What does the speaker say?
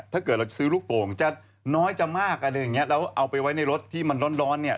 ถ้าเกิดเราซื้อลูกโป่งจะน้อยจะมากอะไรอย่างเงี้แล้วเอาไปไว้ในรถที่มันร้อนร้อนเนี่ย